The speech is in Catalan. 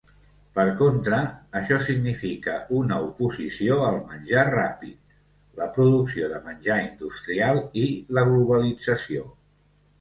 Per contra, això significa una oposició al menjar ràpid, la producció de menjar industrial i la globalització.